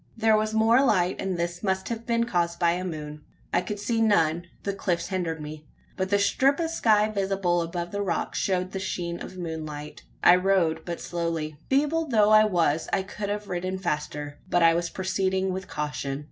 There was more light; and this must have been caused by a moon. I could see none the cliffs hindered me but the strip of sky visible above the rocks showed the sheen of moonlight. I rode but slowly. Feeble though I was, I could have ridden faster, but I was proceeding with caution.